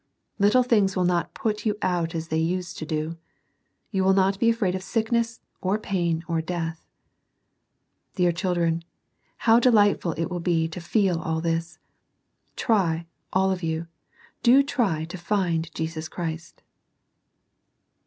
Little things will not put you out as they used to do. You will not be afraid of sickness, or pain, or death. Dear children, how delightful it will be to feel all this. Try, all of you, do try to find Jesus Christ.